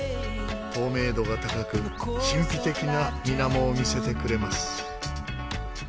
透明度が高く神秘的な水面を見せてくれます。